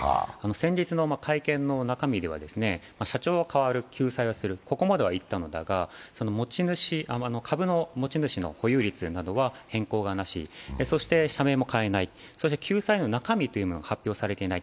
先日の会見の中身では、社長は代わる、救済はする、ここまでは言ったのだが、株の持ち主の保有率などは変更はなし、そして社名も変えない、そして救済案の中身が発表されていない。